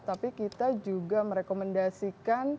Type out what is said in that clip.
tapi kita juga merekomendasikan